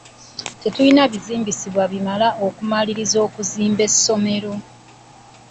Tetulina bizimbisibwa bimala okumaliriza okuzimba essomero .